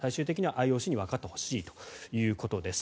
最終的にはＩＯＣにわかってほしいということです。